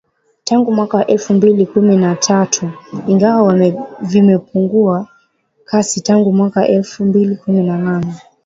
Tangu mwaka wa elfu mbili kumi na tatu ingawa vimepungua kasi tangu mwaka wa elfu mbili kumi na nane.